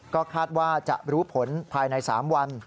ก็คาดว่าจะรู้ผลภายใน๓วัน